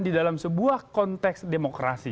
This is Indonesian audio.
di dalam sebuah konteks demokrasi